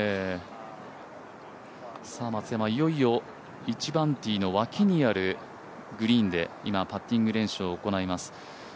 松山、いよいよ１番ティーの脇にあるグリーンで今、パッティング練習を行います。